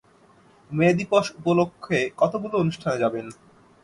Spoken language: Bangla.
মে দিবস উপলক্ষে কতগুলো অনুষ্ঠানে যাবেন?